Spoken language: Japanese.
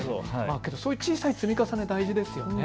そういった小さい積み重ね、大事ですよね。